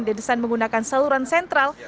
didesan menggunakan saluran sentral